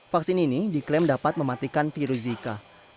vaksin ini diklaim dapat mematikan virus zika